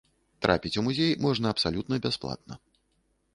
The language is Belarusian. Трапіць у музей можна абсалютна бясплатна.